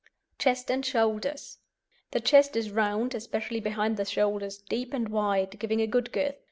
CHEST AND SHOULDERS The chest is round, especially behind the shoulders, deep and wide, giving a good girth.